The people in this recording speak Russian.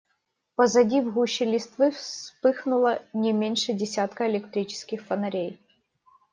Позади, в гуще листвы, вспыхнуло не меньше десятка электрических фонарей.